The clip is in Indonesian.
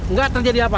nggak terjadi api gas